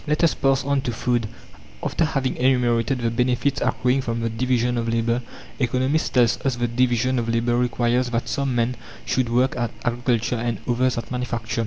Let us pass on to food. After having enumerated the benefits accruing from the division of labour, economists tell us the division of labour requires that some men should work at agriculture and others at manufacture.